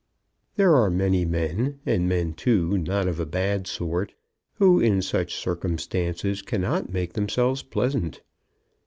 There are many men, and men, too, not of a bad sort, who in such circumstances cannot make themselves pleasant.